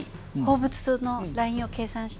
放物線のラインを計算して。